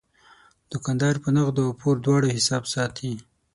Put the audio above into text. دوکاندار په نغدو او پور دواړو حساب ساتي.